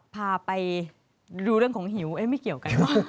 พาไปดูเรื่องของหิวไม่เกี่ยวกันว่ะ